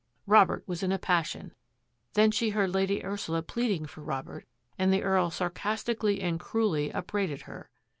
Robert was in a passion. Then she heard Lady Ursula pleading for Robert and the Earl sarcastically and cruelly upbraided her.